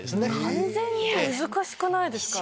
完全には難しくないですか？